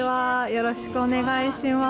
よろしくお願いします。